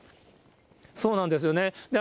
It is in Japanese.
そうなんですよね。